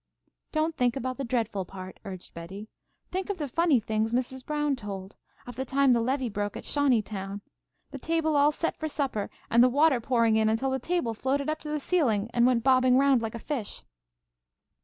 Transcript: "Don't think about the dreadful part," urged Betty. "Think of the funny things Mrs. Brown told, of the time the levee broke at Shawneetown. The table all set for supper, and the water pouring in until the table floated up to the ceiling, and went bobbing around like a fish."